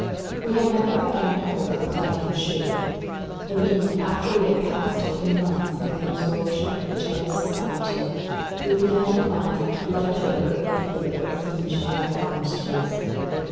We have never again heard the clanking shoe. Indeed, after we had passed a few months in the absorption of each other's society, we began to find that we doubted a great deal of what seemed to have happened to us.